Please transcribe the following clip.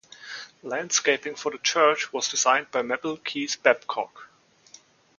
Landscaping for the church was designed by Mabel Keyes Babcock.